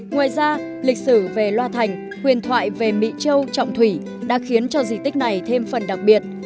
ngoài ra lịch sử về loa thành huyền thoại về mỹ châu trọng thủy đã khiến cho di tích này thêm phần đặc biệt